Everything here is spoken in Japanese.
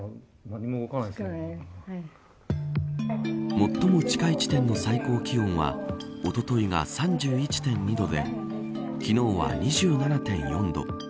最も近い地点の最高気温はおとといが３１．２度で昨日は２７．４度。